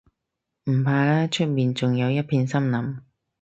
唔怕啦，出面仲有一片森林